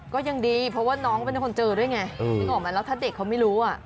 ก็ยังดีเพราะว่าน้องเป็นคนเจอด้วยไงนึกออกไหมแล้วถ้าเด็กเขาไม่รู้อ่ะ